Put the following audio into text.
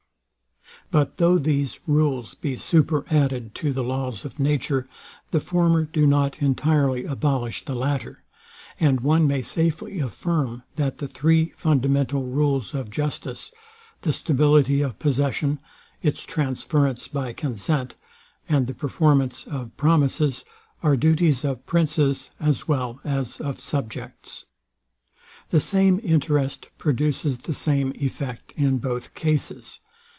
But though these rules be super added to the laws of nature, the former do not entirely abolish the latter; and one may safely affirm, that the three fundamental rules of justice, the stability of possession, its transference by consent, and the performance of promises, are duties of princes, as well as of subjects. The same interest produces the same effect in both cases.